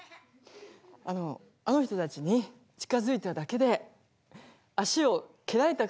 あのあの人たちに近づいただけで足を蹴られたからです。